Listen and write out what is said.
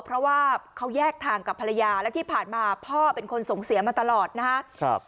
เพราะว่าเขาแยกทางกับภรรยาและที่ผ่านมาพ่อเป็นคนส่งเสียมาตลอดนะครับ